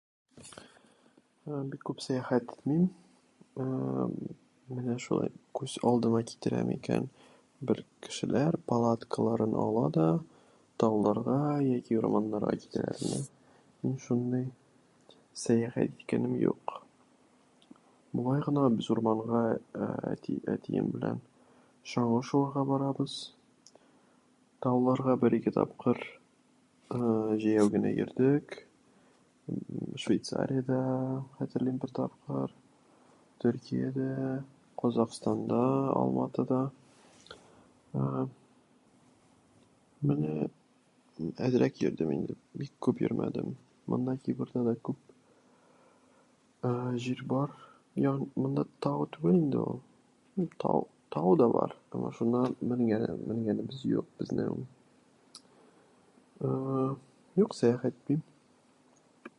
Бик күп сәяхәт итмим. Ә-әм, менә шулай, күз алдыма китерә микән... Бер кешеләр палаткаларын ала да, тауларга яки урманнарга... китерә алмыйм. Мин шундый сәяхәт фикерем юк. Болай гына без урманга, ә-ә, әти- әтием белән шанлы шуарга барабыз. Тауларга бер-ике тапкыр, ә-ә, җәяү генә йөрдек. Швейцариядә хәтерлим бер тапкыр, Төркиядә, Казакъстанда Алматыда, ә-ә, менә әзрек йөрдем инде, бик күп йөрмәдем. Монда Кипрда да күп, ә-ә, җир бар, йөн, монда тау түбән инде ул, таву- тау да бар, анда шуннан, менгәне- менгәнебез юк безнең... ә-ә, юк сәяхәт итмим.